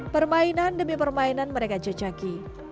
permainan demi permainan mereka jejaki